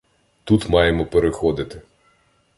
Тут маємо переходити.